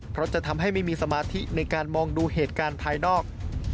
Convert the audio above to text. เพราะจะทำให้ไม่มีสมาธิในการมองดูเหตุการณ์ภายนอก